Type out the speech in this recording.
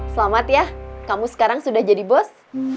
selamat ya kamu sekarang sudah jadi bos